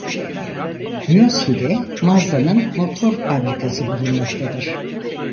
Miyoshi'de Mazda'nın motor fabrikası bulunmaktadır.